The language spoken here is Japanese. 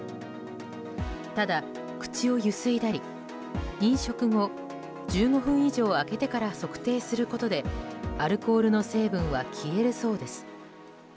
ただ、口をゆすいだり飲食後１５分以上空けてから測定することでアルコールの成分は消えるそうです。